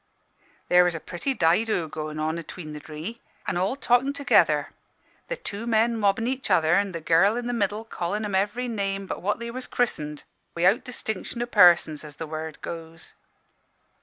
"There was a pretty dido goin' on atween the dree, an' all talkin' together the two men mobbin' each other, an' the girl i' the middle callin' em every name but what they was chris'ened, wi'out distinction o' persons, as the word goes.